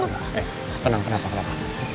eh tenang tenang tenang